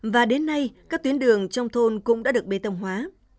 và đến nay các tuyến đường trong thôn cũng đã được bê tông hóa